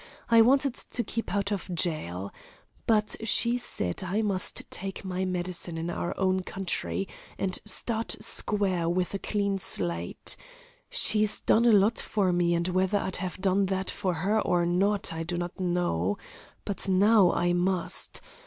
I wanted to keep out of jail. But she said I must take my medicine in our own country, and start square with a clean slate. She's done a lot for me, and whether I'd have done that for her or not, I don't know. But now, I must!